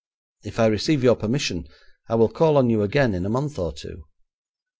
If I receive your permission, I will call on you again in a month or two.